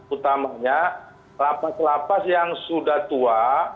utamanya la paz la paz yang sudah tua